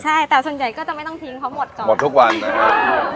ใช่แต่ส่วนใหญ่ก็จะไม่ต้องทิ้งเขาหมดก่อนหมดทุกวันนะครับ